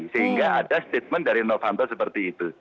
sehingga ada statement dari novanto seperti itu